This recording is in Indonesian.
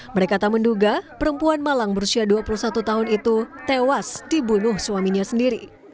mereka tak menduga perempuan malang berusia dua puluh satu tahun itu tewas dibunuh suaminya sendiri